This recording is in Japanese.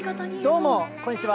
どうも、こんにちは。